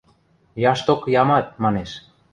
– Яшток ямат, – манеш.